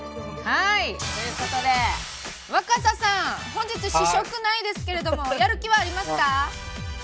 はい、ということで若狭さん本日、試食ないですけどやる気はありますか。